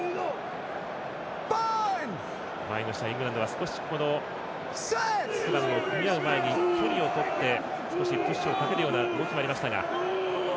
前の試合、イングランドは少しスクラムを組み合う前に距離をとって、少しプッシュをかけるような動きもありましたが。